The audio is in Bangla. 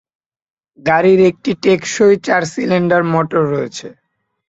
গাড়ির একটি টেকসই চার সিলিন্ডার মোটর রয়েছে।